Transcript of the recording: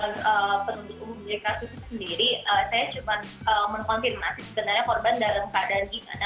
saya cuma menkonfirmasi sebenarnya korban dalam keadaan gimana